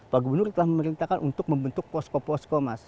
pak gubernur telah memerintahkan untuk membentuk posko posko mas